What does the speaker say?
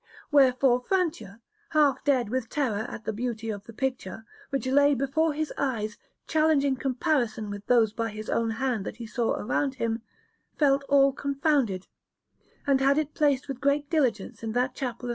Wherefore Francia, half dead with terror at the beauty of the picture, which lay before his eyes challenging comparison with those by his own hand that he saw around him, felt all confounded, and had it placed with great diligence in that chapel of S.